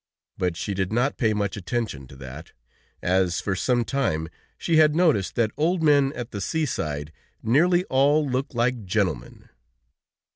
But she did not pay much attention to that, as for some time she had noticed that old men at the seaside nearly all looked like gentlemen.